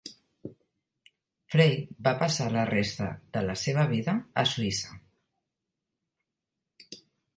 Frey va passar la resta de la seva vida a Suïssa.